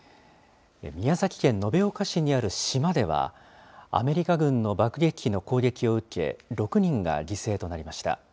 宮崎県延岡市にある島では、アメリカ軍の爆撃機の攻撃を受け、６人が犠牲となりました。